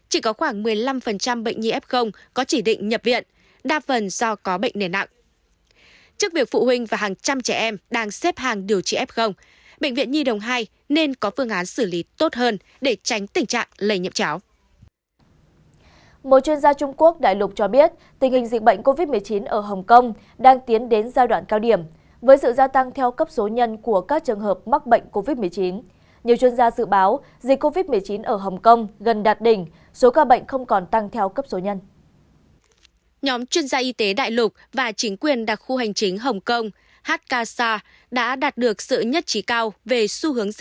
chỉ có khoảng một mươi năm bệnh nhi f có chỉ định nhập viện đa phần do có bệnh nền nặng